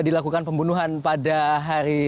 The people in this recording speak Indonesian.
dilakukan pembunuhan pada hari